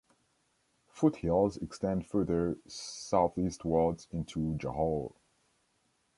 Foothills extend further southeastwards into Johor.